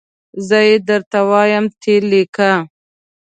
زه یي درته وایم ته یي لیکه